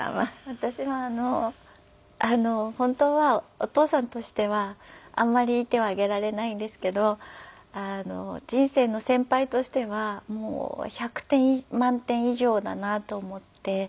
私はあの本当はお父さんとしてはあんまりいい点はあげられないんですけど人生の先輩としてはもう１００点満点以上だなと思って。